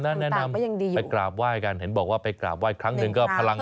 แนะนำดีไปกราบไหว้กันเห็นบอกว่าไปกราบไห้ครั้งหนึ่งก็พลัง